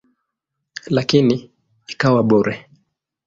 Lakini ikawa bure.